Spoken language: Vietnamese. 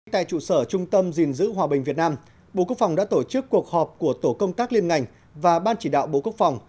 tại trụ sở trung tâm gìn giữ hòa bình việt nam bộ quốc phòng đã tổ chức cuộc họp của tổ công tác liên ngành và ban chỉ đạo bộ quốc phòng